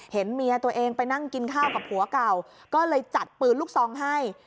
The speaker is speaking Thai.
เห็นเมียตัวเองไปนั่งกินข้าวกับผัวเก่าก็เลยจัดปืนลูกซองให้